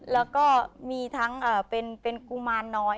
แล้วก็มีทั้งเป็นกุมารน้อย